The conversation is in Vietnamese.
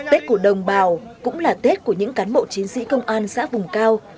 tết của đồng bào cũng là tết của những cán bộ chiến sĩ công an xã vùng cao